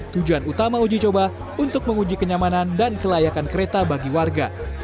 tujuan utama uji coba untuk menguji kenyamanan dan kelayakan kereta bagi warga